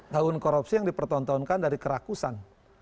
tahun korupsi yang dipertontonkan dari kerakusan